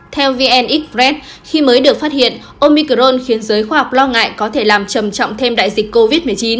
theo vn express khi mới được phát hiện omicron khiến giới khoa học lo ngại có thể làm trầm trọng thêm đại dịch covid một mươi chín